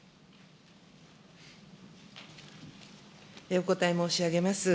お答え申し上げます。